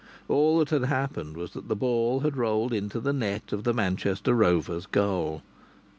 All that had happened was that the ball had rolled into the net of the Manchester Rovers' goal.